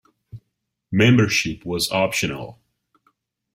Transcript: Membership was optional.